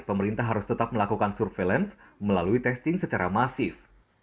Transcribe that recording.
pemerintah harus tetap melakukan surveillance melalui testing secara masif